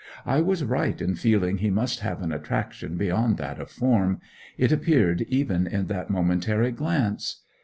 I was right in feeling he must have an attraction beyond that of form: it appeared even in that momentary glance.